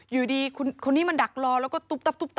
อยู่ดีคนนี้มันดักรอแล้วก็ตุ๊ป